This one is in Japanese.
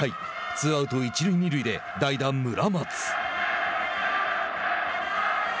ツーアウト、一塁二塁で代打村松。